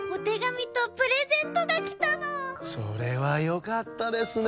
それはよかったですね！